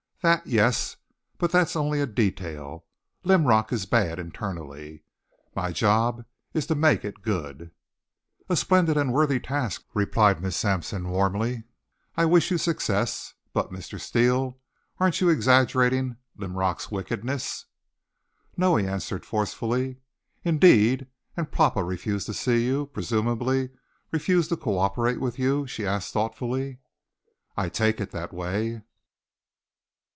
"That, yes. But that's only a detail. Linrock is bad internally. My job is to make it good." "A splendid and worthy task," replied Miss Sampson warmly. "I wish you success. But, Mr. Steele, aren't you exaggerating Linrock's wickedness?" "No," he answered forcibly. "Indeed! And papa refused to see you presumably refused to cooperate with you?" she asked thoughtfully. "I take it that way."